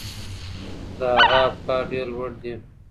د هغه افکار ډیر لوړ دي.